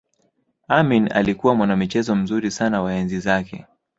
Amin alikuwa mwanamichezo mzuri sana wa enzi zake